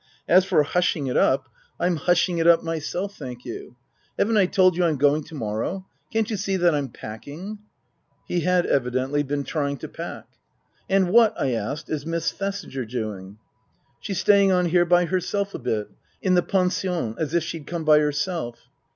As for hushing it up, I'm 5 66 Tasker Jevons hushing it up myself, thank you. Haven't I told you I'm going to morrow ? Can't you see that I'm packing ?" He had evidently been trying to pack. " And what ?" I asked, " is Miss Thesiger doing ?"" She's staying on here by herself a bit. t In the pension. As if she'd come by herself."